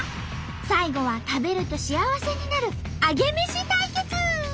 最後は食べると幸せになるアゲメシ対決！